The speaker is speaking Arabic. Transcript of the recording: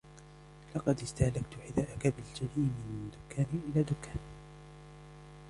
لقد استهلكت حذاءك بالجري من دكانٍ إلى دكان